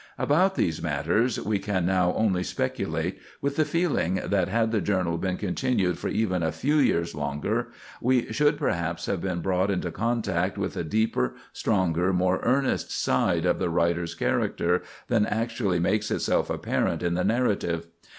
About these matters we can now only speculate, with the feeling that had the journal been continued for even a few years longer, we should perhaps have been brought into contact with a deeper, stronger, more earnest side of the writer's character than actually makes itself apparent in the narrative.